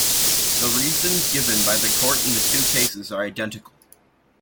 The reasons given by the Court in the two cases are identical.